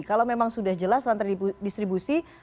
kalau memang sudah jelas rantai distribusi